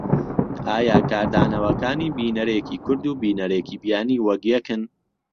ئایا کاردانەوەکانی بینەرێکی کورد و بینەرێکی بیانی وەک یەکن؟